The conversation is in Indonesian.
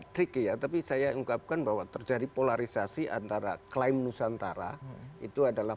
trik ya tapi saya ungkapkan bahwa terjadi polarisasi antara klaim nusantara itu adalah